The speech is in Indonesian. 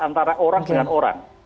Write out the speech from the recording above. jadi itu adalah hal yang harus dipercayai